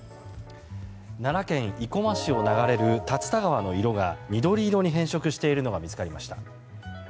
奈良県生駒市を流れる竜田川の色が緑色に変色しているのが見つかりました。